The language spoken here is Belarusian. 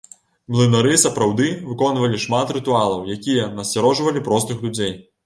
Млынары сапраўды выконвалі шмат рытуалаў, якія насцярожвалі простых людзей.